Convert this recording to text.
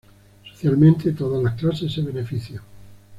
Socialmente todas las clases se benefician.